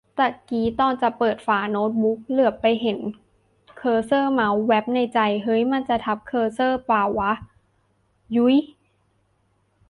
ตะกี้ตอนจะปิดฝาโน๊ตบุ๊ก เหลือบไปเห็นเคอร์เซอร์เมาส์ แว๊บในใจ เฮ้ย มันจะทับเคอร์เซอร์ป่าววะ หยู๊ดดด